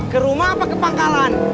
ke rumah apa ke pangkalan